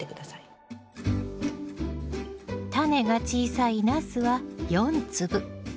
タネが小さいナスは４粒。